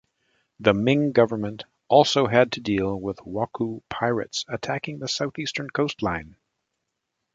The Ming government also had to deal with wokou pirates attacking the southeastern coastline.